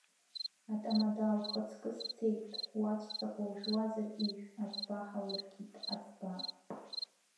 Атамада ухаҵкы сцеит, уаҵәцақәа ужәуазар ижә, аӡба ҳауркит, аӡба.